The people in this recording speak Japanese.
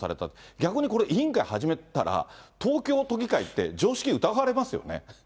逆にこれ、委員会始めたら、東京都議会って常識、疑われますよね？